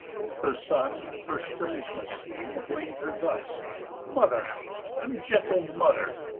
Her son, her strangeness seeing, blam'd her thus: "Mother, ungentle mother!